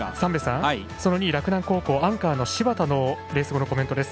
その２位、洛南高校アンカーの柴田のレース後のコメントです。